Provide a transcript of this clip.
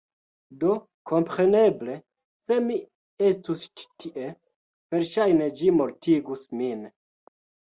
Do kompreneble, se mi estus ĉi tie, verŝajne ĝi mortigus min.